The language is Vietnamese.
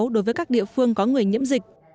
đối với các địa phương có người nhiễm dịch